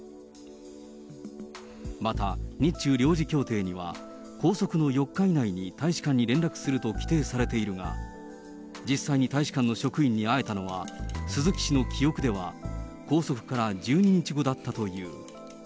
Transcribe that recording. また、日中領事協定には拘束の４日以内に大使館に連絡すると規定されているが、実際に大使館の職員に会えたのは、鈴木氏の記憶では拘束から１２日後だったという。